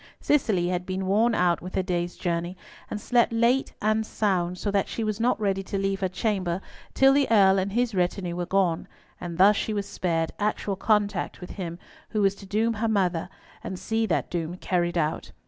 Cicely had been worn out with her day's journey, and slept late and sound, so that she was not ready to leave her chamber till the Earl and his retinue were gone, and thus she was spared actual contact with him who was to doom her mother, and see that doom carried out.